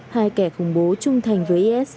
hai kẻ khủng bố trung thành với is